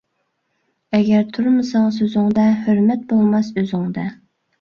ئەگەر تۇرمىساڭ سۆزۈڭدە، ھۆرمەت بولماس ئۆزۈڭدە.